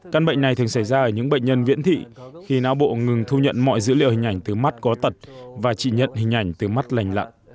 căn bệnh này thường xảy ra ở những bệnh nhân viễn thị khi não bộ ngừng thu nhận mọi dữ liệu hình ảnh từ mắt có tật và chị nhận hình ảnh từ mắt lành lặng